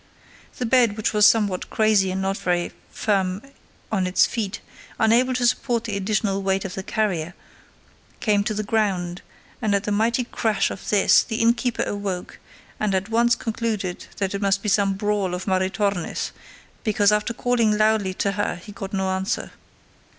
The bed which was somewhat crazy and not very firm on its feet, unable to support the additional weight of the carrier, came to the ground, and at the mighty crash of this the innkeeper awoke and at once concluded that it must be some brawl of Maritornes', because after calling loudly to her he got no answer.